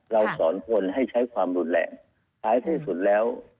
เราสอนคนให้ใช้ความรุนแรงท้ายที่สุดแล้ว